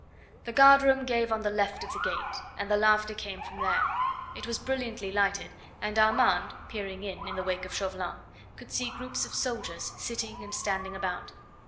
The guard room gave on the left of the gate, and the laughter came from there. It was brilliantly lighted, and Armand, peering in, in the wake of Chauvelin, could see groups of soldiers sitting and standing about.